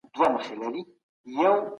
بهرنۍ تګلاره یوازې د واکمنانو نظر نه دی.